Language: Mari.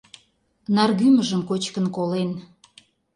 Наргӱмыжым кочкын колен.